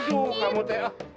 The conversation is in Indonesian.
aduh kamu t'ah